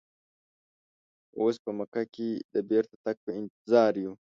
اوس په مکه کې د بیرته تګ په انتظار یو.